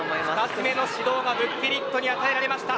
２つ目の指導がブッケリットに与えられました。